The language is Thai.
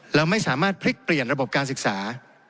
เราไม่สามารถพลิกเปลี่ยนระบบการศึกษา